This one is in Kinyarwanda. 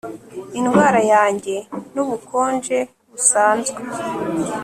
indwara yanjye ni ubukonje busanzwe